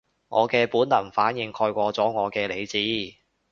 我嘅本能反應蓋過咗我嘅理智